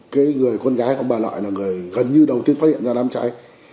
cái người con gái của ông bà nội là người gần như đầu tiên phát hiện ra làm cháy